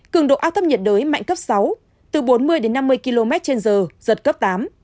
cường độ áp thấp nhiệt đới mạnh cấp sáu từ bốn mươi đến năm mươi km trên giờ giật cấp tám